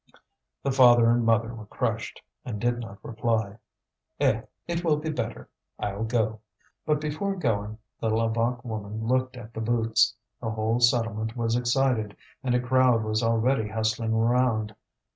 The father and mother were crushed, and did not reply. "Eh? It will be better. I'll go." But, before going, the Levaque woman looked at the boots. The whole settlement was excited, and a crowd was already hustling around.